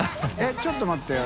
┐ちょっと待ってよ